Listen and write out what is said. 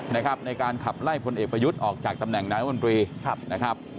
ในการขับไล่พลเอกประยุทธ์ออกจากตำแหน่งนายมนตรีนะครับ